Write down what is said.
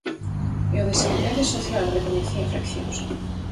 E o de Seguridade Social recoñecía friccións.